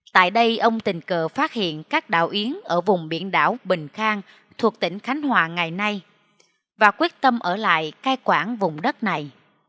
tại đây ông tình cờ phát hiện các đạo yến ở vùng biển đảo bình khang thuộc tỉnh khánh hòa ngày nay và quyết tâm ở lại cai quản vùng đất này